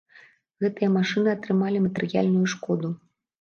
Гэтыя машыны атрымалі матэрыяльную шкоду.